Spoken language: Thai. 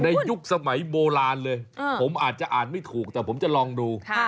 ยุคสมัยโบราณเลยผมอาจจะอ่านไม่ถูกแต่ผมจะลองดู